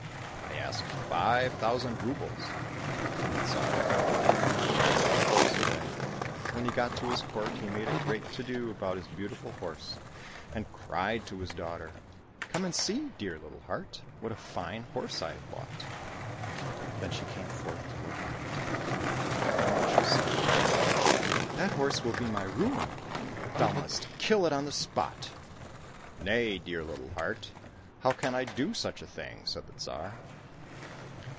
—" I ask five thousand roubles." Then the Tsar counted down the money and took the horse away. When he got to his court, he made a great to do about his beautiful horse, and cried to his daughter, " Come and see, dear little heart, what a fine horse I have bought." Then she came forth to look at it ; but the moment she saw it, she cried, " That horse will be my ruin. Thou must kill it on the spot." —" Nay, dear little heart ! how can I do such a thing ?" said the Tsar.